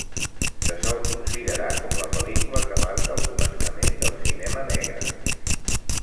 Se sol considerar com la pel·lícula que marca el començament del cinema negre.